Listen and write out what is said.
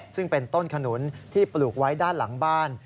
ซึ่งเป็นต้นขนุนที่ปลูกไว้ด้านหลังบ้าน